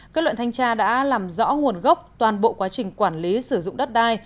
kết luận thanh tra đã làm rõ nguồn gốc toàn bộ quá trình quản lý sử dụng đất đai